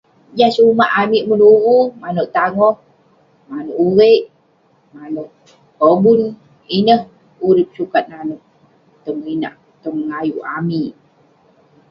Jah sumak amik menuvu, maneuk tangoh, maneuk uveik, maneuk kobun. Ineh urip sukat naneuk tong inak, tong ayuk amik.